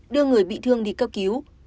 đưa người bị thương đi cấp cứu